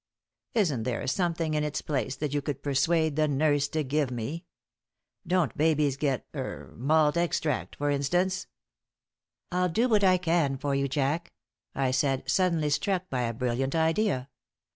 Isn't there something in its place that you could persuade the nurse to give me? Don't babies get er malt extract, for instance?" "I'll do what I can for you, Jack." I said, suddenly struck by a brilliant idea.